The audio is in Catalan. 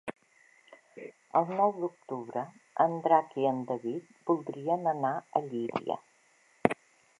El nou d'octubre en Drac i en David voldrien anar a Llíria.